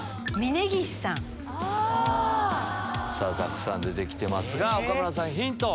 さぁたくさん出て来てますが岡村さんヒントを。